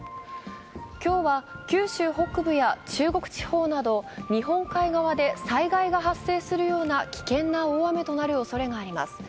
今日は九州北部や中国地方など日本海側で災害が発生するような危険な大雨となるおそれがあります。